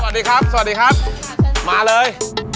สวัสดีครับสวัสดีครับมาเลย